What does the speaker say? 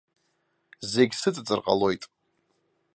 Зегь сыҵыҵыр ҟалоит.